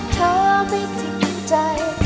เธอไม่ทิ้งใจ